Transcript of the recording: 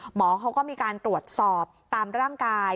หมอเขาก็มีการตรวจสอบตามร่างกาย